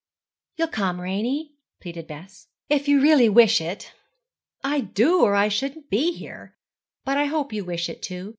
'You'll come, Ranie?' pleaded Bess. 'If you really wish it.' 'I do, or I shouldn't be here. But I hope you wish it too.